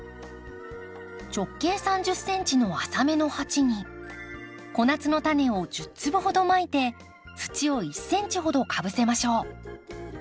直径３０ｃｍの浅めの鉢に小夏のタネを１０粒ほどまいて土を１ｃｍほどかぶせましょう。